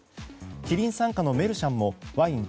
キリン傘下のメルシャンもワイン